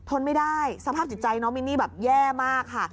ทนไม่ได้สภาพจิตใจน้องมินนี่แบบแย่มากค่ะ